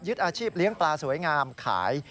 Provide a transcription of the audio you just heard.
อาชีพเลี้ยงปลาสวยงามขาย